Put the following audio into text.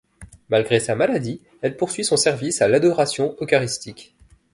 Malgré sa maladie, elle poursuit son service à l'adoration eucharistique.